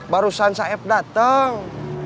barusan saeb dateng